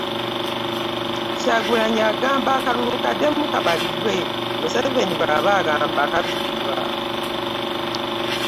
Kyagulanyi agamba akalulu kaddemu kabalibwe Museveni bw'aba agamba kabbibwa